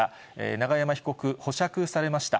永山被告、保釈されました。